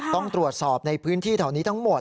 ต้องตรวจสอบในพื้นที่แถวนี้ทั้งหมด